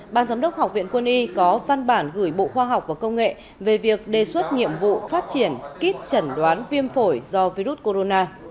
ban giám đốc học viện quân y có văn bản gửi bộ khoa học và công nghệ về việc đề xuất nhiệm vụ phát triển kít chẩn đoán viêm phổi do virus corona